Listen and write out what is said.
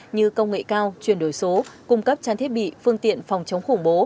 như công nghệ cao chuyển đổi số cung cấp trang thiết bị phương tiện phòng chống khủng bố